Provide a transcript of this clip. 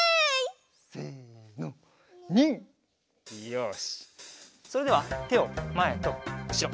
よしそれではてをまえとうしろ。